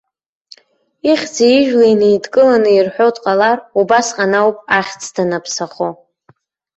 Ихьӡи ижәлеи неидкыланы ирҳәо дҟалар, убасҟан ауп ахьӡ данаԥсахо.